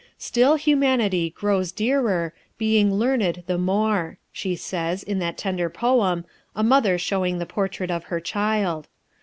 "Still humanity grows dearer, Being learned the more," she says, in that tender poem, _A Mother showing the Portrait of her Child.